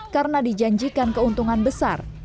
karena dijanjikan keuntungan besar